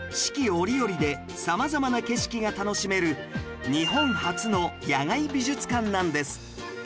折々で様々な景色が楽しめる日本初の野外美術館なんです